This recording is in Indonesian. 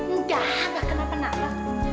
enggak gak kenapa kenapa